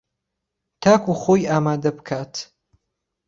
تا وەکو خۆی ئامادەبکات